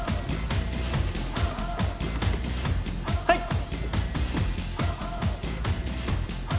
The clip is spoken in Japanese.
はい。